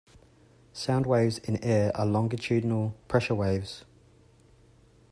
Sound waves in air are longitudinal, pressure waves.